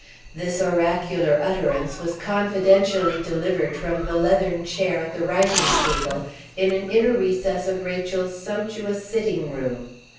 This oracular utterance was confidentially delivered from the leathern chair at the writing table, in an inner recess of Rachel's sumptuous sitting room.